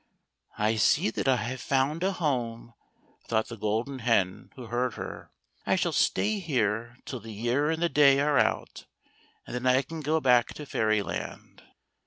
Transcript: " I see that I have found a home," thought the Golden Hen, who heard her. " I shall stay here till the year and the day are out, and then I can go back to Fair\ land."